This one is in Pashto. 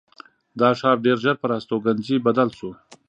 دا ښار ډېر ژر پر استوګنځي بدل شو.